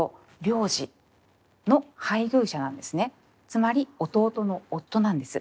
つまり弟の夫なんです。